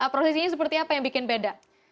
prosesinya seperti apa yang bikin beda